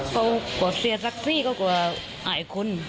เขาก็เสียสักทีก็กลัวอายคุณ